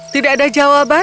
tidak ada jawaban